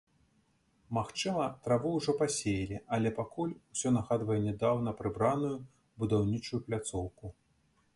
Магчыма, траву ўжо пасеялі, але пакуль усё нагадвае нядаўна прыбраную будаўнічую пляцоўку.